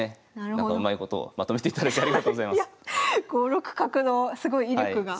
５六角のすごい威力が。